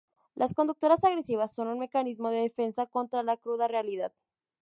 Las conductas agresivas son un mecanismo de defensa contra la cruda realidad.